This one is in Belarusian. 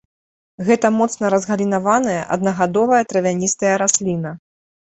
Гэта моцна разгалінаваная, аднагадовая травяністая расліна.